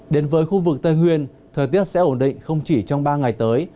đến với khu vực tây nguyên thời tiết sẽ ổn định không chỉ trong ba ngày tới